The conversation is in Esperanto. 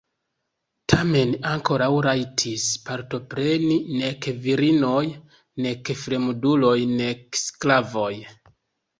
Tamen ankoraŭ rajtis partopreni nek virinoj nek fremduloj nek sklavoj.